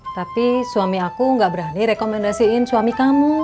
tapi suami aku gak berani rekomendasiin suami kamu